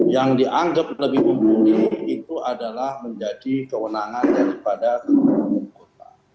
yang dianggap lebih muri itu adalah menjadi kewenangan daripada ketua umum kota